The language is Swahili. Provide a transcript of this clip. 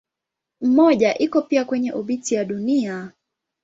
Mmoja iko pia kwenye obiti ya Dunia.